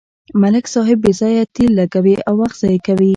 ملک صاحب بې ځایه تېل لګوي او وخت ضایع کوي.